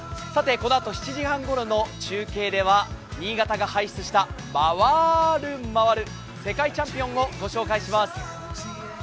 さて、このあと７時半ごろの中継では新潟が輩出した回る回る世界チャンピオンをご紹介します。